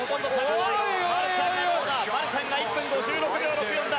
マルシャンが１分５６秒６４。